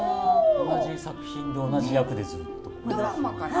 同じ作品の同じ役でずっと。